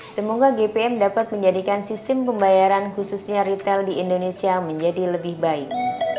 semoga gpm dapat menjadikan sistem pembayaran khususnya retail di indonesia menjadi lebih baik